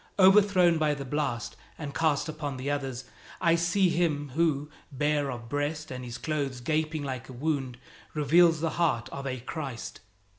Overthrown by the blast and cast upon the others, I see him who, bare of breast and his clothes gaping like a wound, reveals the heart of a Christ.